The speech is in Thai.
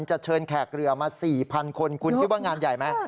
จะเชิญแขกเรือมา๔๐๐คนคุณคิดว่างานใหญ่ไหม